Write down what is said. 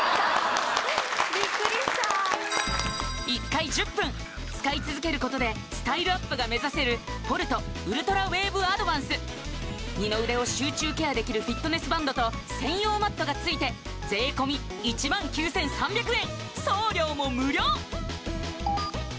ビックリした１回１０分使い続けることでスタイルアップが目指せるポルトウルトラウェーブアドバンス二の腕を集中ケアできるフィットネスバンドと専用マットがついて税込１万９３００円